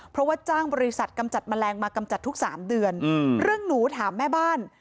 เพราะว่าจ้างบริษัทกำจัดแมลงมากำจัดทุกสามเดือนเรื่องหนูถามแม่บ้าน